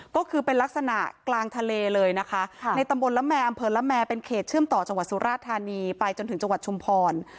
ก็คือเป็นลักษณะกลางทะเลเลยนะคะในตำบลละแมร์อำเภอละแมเป็นเขตเชื่อมต่อจังหวัดสุราธานีไปจนถึงจังหวัดชุมพร